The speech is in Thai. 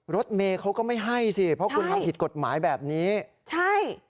รถเมย์เขาก็ไม่ให้สิเพราะคุณทำผิดกฎหมายแบบนี้ใช่